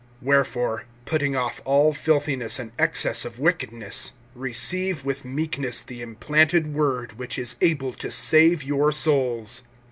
(21)Wherefore, putting off all filthiness and excess of wickedness, receive with meekness the implanted word, which is able to save your souls.